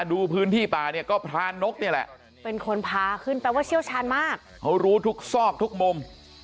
ดูพื้นที่ป่าเนี่ยก็พรานกนี่แหละเป็นคนพาขึ้นแปลว่าเชี่ยวชาญมากเขารู้ทุกซอกทุกมุม